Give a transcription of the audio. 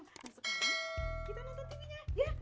nah sekarang kita nonton tv nya ya